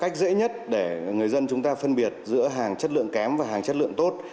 cách dễ nhất để người dân chúng ta phân biệt giữa hàng chất lượng kém và hàng chất lượng tốt